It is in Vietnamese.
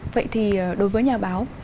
vậy thì đối với nhà báo